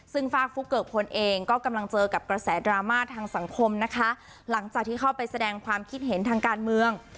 ซึ่งฝากฟุ๊กเกิกพลเองก็กำลังเจอกับกระแสดราม่าทางสังคมนะคะหลังจากที่เข้าไปแสดงความคิดเห็นทางการเมือง